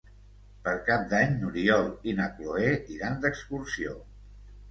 Per Cap d'Any n'Oriol i na Cloè iran d'excursió.